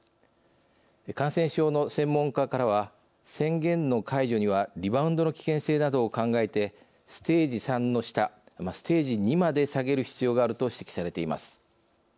感染症の専門家からは宣言の解除にはリバウンドの危険性などを考えてステージ３の下ステージ２まで下げる必要があると指摘されています。